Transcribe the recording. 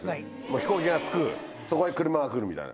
飛行機が着く、そこへ車が来るみたいな。